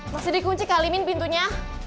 masih dikunci kalimin pintunya